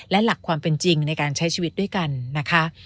และหลักความเป็นจริงในการใช้ชีวิตด้วยกันนะคะ